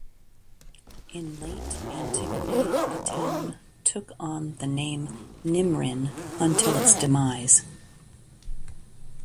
In late antiquity, the town took on the name Nimrin, until its demise.